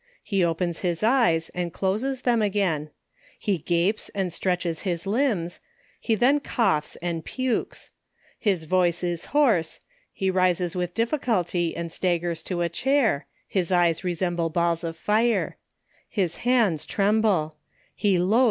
He opens his eyes, and closes them again ; he gapes and stretches his limbs; he then coughs and pukes; his voice is hoarse ; he rises with difficulty, and staggers to a chair ; his eyes resemble balls of fire ; his hands tremble ; he loatl.